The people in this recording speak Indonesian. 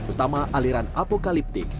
pertama aliran apokalipsis